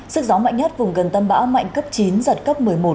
sức gió mạnh nhất vùng gần tâm bão mạnh cấp chín giật cấp một mươi một